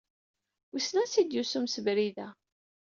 Wisen ansi i d-yusa umsebrid-a?